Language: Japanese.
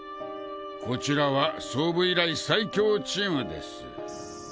こちらは創部以来最強チームです。